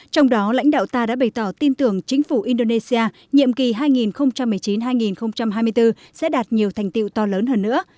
trong đó lãnh đạo ta đã bày tỏ tin tưởng chính phủ indonesia nhiệm kỳ hai nghìn một mươi chín hai nghìn hai mươi bốn sẽ đạt nhiều thành tiệu to lớn hơn nữa